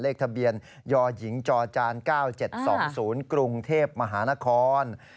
เลขทะเบียนยหญิงจจ๙๗๒๐กรุงเทพมหานคร